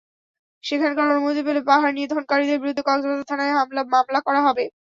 সেখানকার অনুমতি পেলে পাহাড় নিধনকারীদের বিরুদ্ধে কক্সবাজার থানায় মামলা করা হবে।